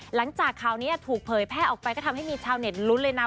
หลังจากข่าวนี้ถูกเผยแพร่ออกไปก็ทำให้มีชาวเน็ตลุ้นเลยนะ